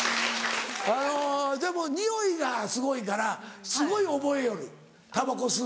あのでもにおいがすごいからすごい覚えよるたばこ吸う人を。